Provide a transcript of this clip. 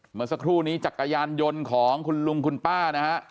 เมื่อสักครู่นี้จักรยานยนต์ของคุณลุงคุณป้านะฮะ